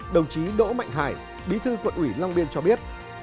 đồng chí đỗ mạnh hải bí thư quận ủy long biên cho biết